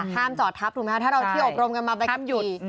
ห้ามจอดทับถูกไหมคะถ้าเราที่อบรมกันมาไปกี่